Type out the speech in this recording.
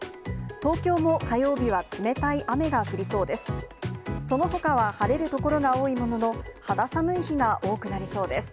東京も火曜日は冷たい雨が降りそうです。